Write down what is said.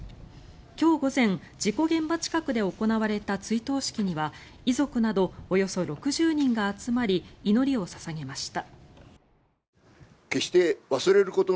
今日午前、事故現場近くで行われた追悼式には遺族などおよそ６０人が集まり祈りを捧げました。